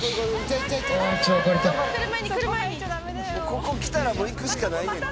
ここ来たらもう行くしかないねん。